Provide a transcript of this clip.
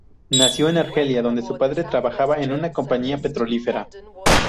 Nació en Argelia donde su padre trabajaba en una compañía petrolífera.